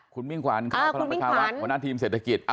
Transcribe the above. ครับอาทิตย์ผล่านทีมเศรษฐกิจ